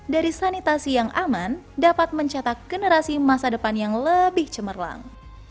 dari sanitasi yang aman dapat mencetak generasi masa depan yang lebih cemerlang